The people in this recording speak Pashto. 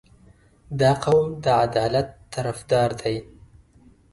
• دا قوم د عدالت طرفدار دی.